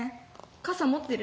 傘持ってる？」。